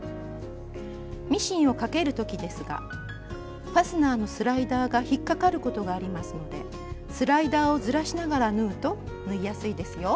ミシンをかける時ですがファスナーのスライダーが引っかかることがありますのでスライダーをずらしながら縫うと縫いやすいですよ。